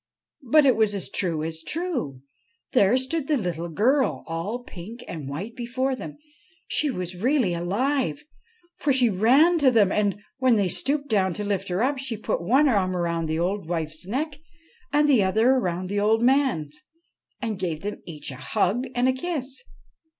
But it was as true as true. There stood the little girl, all pink and white before them. She was really alive, for she ran to them ; and, when they stooped down SNEGOROTCHKA to lift her up, she put one arm round the old wife's neck and the other round the old man's, and gave them each a hug and a kiss.